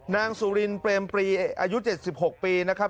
นางสุรินเปรมปรีอายุ๗๖ปีนะครับ